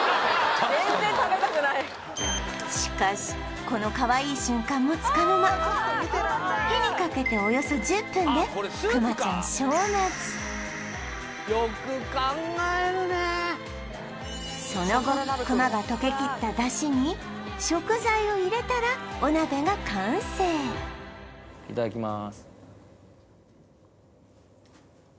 確かにしかしこのかわいい瞬間もつかの間火にかけておよそ１０分でくまちゃん消滅その後くまが溶けきっただしに食材を入れたらお鍋が完成いただきまーす